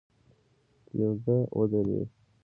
کېږدۍ ودرېده.